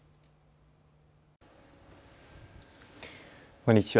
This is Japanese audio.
こんにちは。